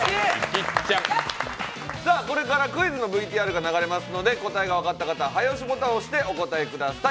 これからクイズのＶＴＲが流れますので、答えが分かった方、早押しボタンを押してください。